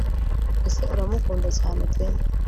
ese uramukunda cyane pe